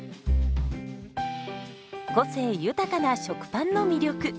個性豊かな食パンの魅力。